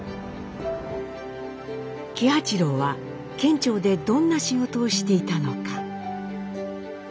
喜八郎は県庁でどんな仕事をしていたのか。